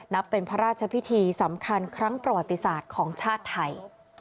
เป็นพระราชพิธีสำคัญครั้งประวัติศาสตร์ของชาติไทย